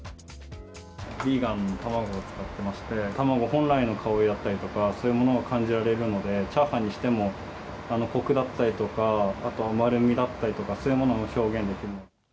ヴィーガンの卵を使っていまして、卵本来の香りだったりとか、そういうものを感じられるので、チャーハンにしてもこくだったりとか、あと丸みだったりとか、そういうものを表現できる。